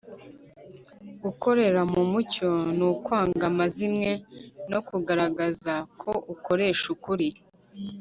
Gukorera mu mucyo ni ukwanga amazimwe no kugaragaza ko ukoresha ukuri.